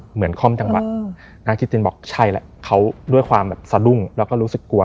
คล่อมจังหวะนางจิตตินบอกใช่แหละเขาด้วยความแบบสะดุ้งแล้วก็รู้สึกกลัว